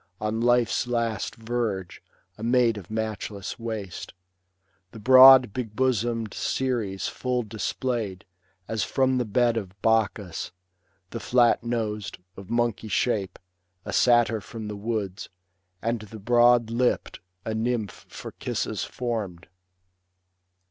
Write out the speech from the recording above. On life's last verge, a maid of matchless waist ; The broad, big bosom'd, Ceres full displayed, As from the bed of Bacchus ; the flat nos'd Of monkey shape, a Satyr from the woods ; And the broad lipp'd, a Nymph for kisses formed.